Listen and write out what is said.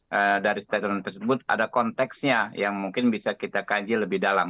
nah dari statement tersebut ada konteksnya yang mungkin bisa kita kaji lebih dalam